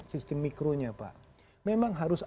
sistem mikronya pak memang harus